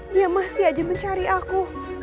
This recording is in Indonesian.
dia masih aja mencari aku